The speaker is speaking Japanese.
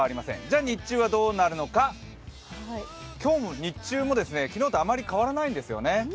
じゃ、日中はどうなるのか、今日の日中も昨日とあまり変わらないんですよね。